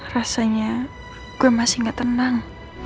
rasanya gue masih gak tenang